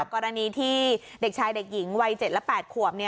กรณีที่เด็กชายเด็กหญิงวัย๗และ๘ขวบ